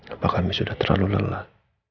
apa kami sudah terlalu lelah